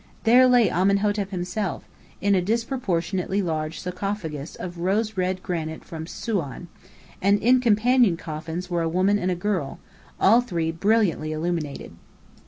There lay Amenhetep himself, in a disproportionately large sarcophagus of rose red granite from Suan; and in companion coffins were a woman and a girl, all three brilliantly illuminated.